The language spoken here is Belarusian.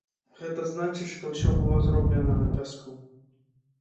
Гэта значыць, што ўсё было зроблена на пяску.